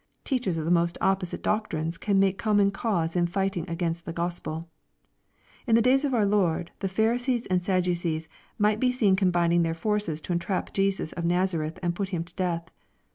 Teachers of the most opposite doctrines can make common cause in fighting against the Gospel. In the days of our Lord, the Pharisees and the Sadducces might be seen combining their forces to entrap Jesus of Nazareth and put Hira to death.